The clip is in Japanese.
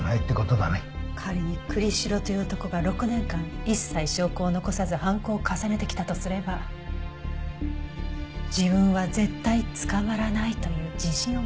仮に栗城という男が６年間一切証拠を残さず犯行を重ねてきたとすれば自分は絶対捕まらないという自信を持っているはず。